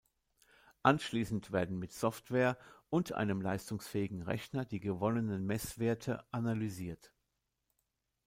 Anschließend werden mit Software und einem leistungsfähigen Rechner die gewonnenen Messwerte analysiert.